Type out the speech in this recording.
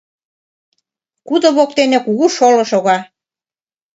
Кудо воктене кугу шоло шога.